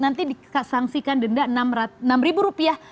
nanti disangsikan denda enam ribu rupiah